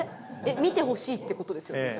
見てほしいって事ですよね。